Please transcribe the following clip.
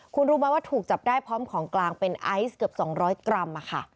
คุณรู้ไหมว่าถูกจับได้พร้อมของกลางเป็นไอซ์เกือบ๒๐๐กรัม